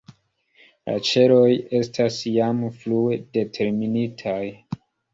La ĉeloj estas jam frue determinitaj.